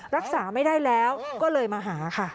รักษาไม่ได้แล้วก็เลยมาหาค่ะ